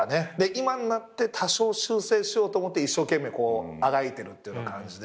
今になって多少修正しようと思って一生懸命あがいてるっていうような感じで。